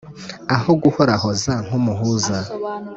aho guhorahoza nk' umuhuza